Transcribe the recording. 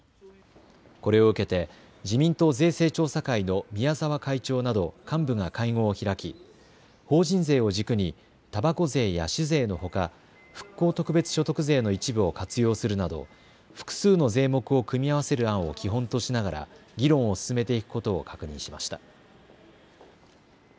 これを受けて自民党税制調査会の宮沢会長など幹部が会合を開き法人税を軸にたばこ税や酒税のほか、復興特別所得税の一部を活用するなど複数の税目を組み合わせる案を基本としながら議論を進めていくことを確認しました。